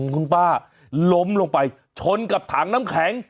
คุณป้าล้มลงไปชนกับถังน้ำแข็ง